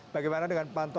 bagaimana dengan pantulan